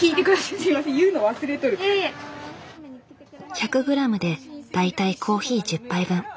１００ｇで大体コーヒー１０杯分。